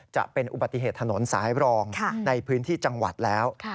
จะเป็นอุบัติเหตุถนนสายรองในพื้นที่จังหวัดแล้ว